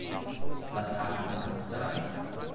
Was tat man in Amsterdam?